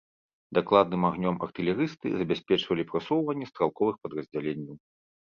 Дакладным агнём артылерысты забяспечвалі прасоўванне стралковых падраздзяленняў.